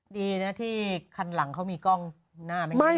ดีนะที่ข้างหลังเขามีกล้องหน้าไม่ได้ดูไม่ออก